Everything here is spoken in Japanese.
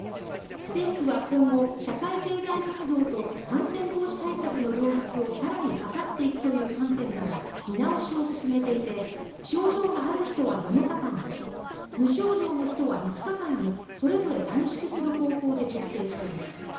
政府は今後、社会経済活動と感染防止対策の両立を更に図っていくという観点から見直しを進めていて症状がある人は７日間に無症状の人は５日間にそれぞれ短縮する方向で調整しています。